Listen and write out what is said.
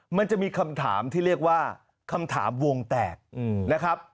มันจะมีคำถามที่เรียกว่าคำถามวงแตกนะครับ